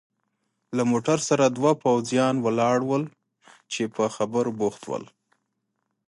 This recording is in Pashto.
له موټر سره دوه پوځیان ولاړ ول چې په خبرو بوخت ول.